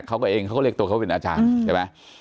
เขาก็เองเขาก็เรียกตัวเขาเป็นอาจารย์ใช่ไหม